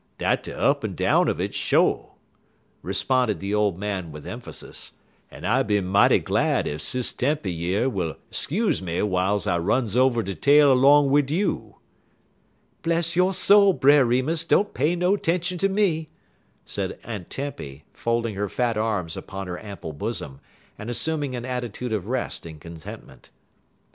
dat's de up en down un it, sho'," responded the old man with emphasis, "en I be mighty glad ef Sis Tempy yer will 'scuze me w'iles I runs over de tale 'long wid you." "Bless yo' soul, Brer Remus, don't pay no 'tention ter me," said Aunt Tempy, folding her fat arms upon her ample bosom, and assuming an attitude of rest and contentment.